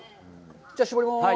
じゃあ、搾ります。